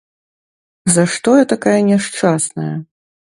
За што я такая няшчасная?